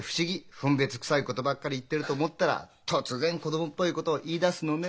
分別くさいことばっかり言ってると思ったら突然子供っぽいことを言いだすのね」